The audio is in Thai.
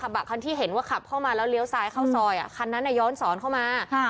บะคันที่เห็นว่าขับเข้ามาแล้วเลี้ยวซ้ายเข้าซอยคันนั้นย้อนสอนเข้ามา